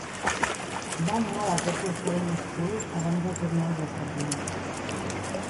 Va anar a la Tokyo Foreign School abans de tornar als Estats Units.